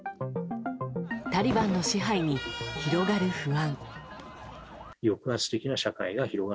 タリバンの支配に広がる不安。